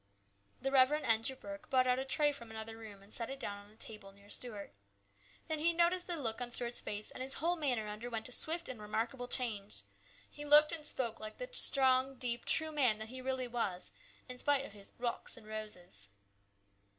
The Rev. Andrew Burke brought out a tray from another room and set it down on the table near Stuart. Then he noticed the look on Stuart's face, and his whole manner underwent a swift and remarkable change. He looked and spoke like the strong, deep, true man that he really was, in spite of his " rocks and roses."